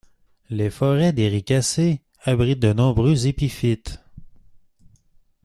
Les forêts d'Éricacées abritent de nombreux épiphytes.